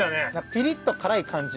ピリッと辛い感じ